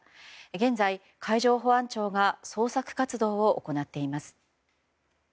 現在、海上保安庁が捜索活動を行っています。